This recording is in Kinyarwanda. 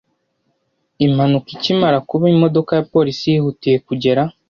Impanuka ikimara kuba, imodoka ya polisi yihutiye kugera.